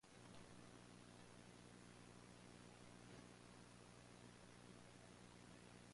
But how could the observation be explained?